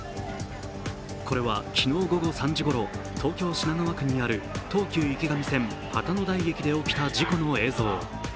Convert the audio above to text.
これは昨日午後３時ごろ、東京・品川区にある東急池上線・旗の台駅で起きた事故の映像。